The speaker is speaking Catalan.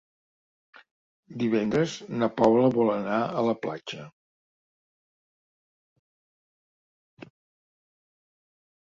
Divendres na Paula vol anar a la platja.